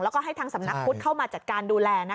แล้วก็ให้ทางสำนักพุทธเข้ามาจัดการดูแล